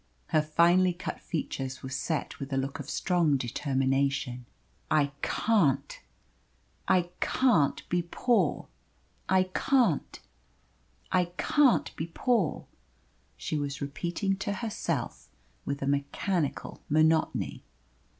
Her finely cut features were set with a look of strong determination. "I can't I can't be poor," she was repeating to herself with a mechanical monotony.